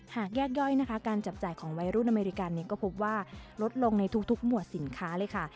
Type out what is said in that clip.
หากแยกย่อยนะคะการจับจ่ายของวัยรุ่นอเมริกันก็พบว่าลดลงในทุกหมวดสินค้าเลยค่ะ